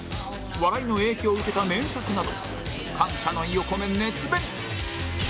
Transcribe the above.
笑いの影響を受けた名作など感謝の意を込め熱弁！